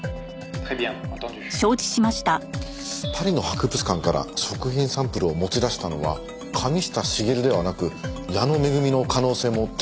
パリの博物館から食品サンプルを持ち出したのは神下茂ではなく矢野恵の可能性も出てきましたね。